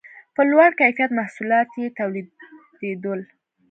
په لوړ کیفیت محصولات یې تولیدول